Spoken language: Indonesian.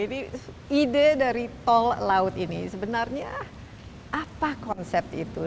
ini ide dari tol laut ini sebenarnya apa konsep itu